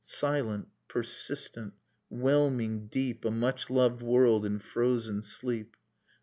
Silent, persistent: whelming deep A much loved world in frozen sleep.